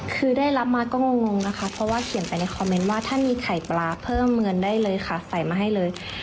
คือได้รับมาก็งงนะคะเพราะว่าเขียนไปในคอมเมนต์ว่าถ้ามีไข่ปลาเพิ่มเงินได้เลยค่ะใส่มาให้เลย